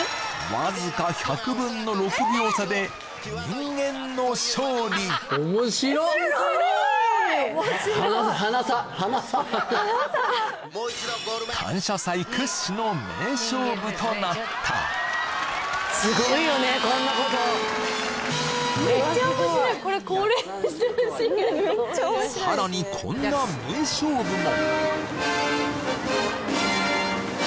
わずか１００分の６秒差で人間の勝利面白いとなったすごいよねこんなことさらにこんな名勝負も！